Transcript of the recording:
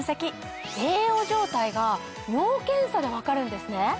栄養状態が尿検査で分かるんですね？